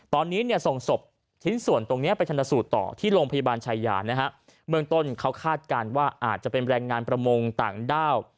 ตอนนี้เนี่ยส่งศพชิ้นส่วนตรงนี้ไปชนสูตรต่อที่โรงพยาบาลชายานะฮะเบื้องต้นเขาคาดการณ์ว่าอาจจะเป็นแรงงานประมงต่างด้าว